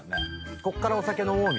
こっからお酒飲もうみたいに。